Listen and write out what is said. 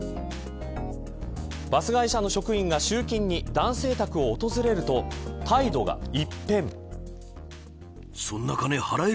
バス会社の職員が集金に男性宅を訪れると態度が一変。